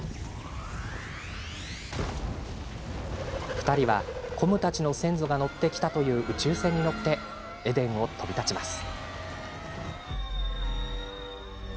２人はコムたちの先祖が乗ってきたという宇宙船に乗ってエデンを飛び立ちます。